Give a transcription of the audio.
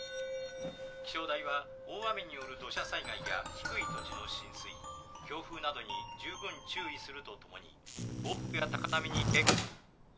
気象台は大雨による土砂災害や低い土地の浸水強風などに十分注意するとともに暴風や高波に。